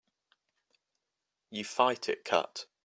You fight it cut.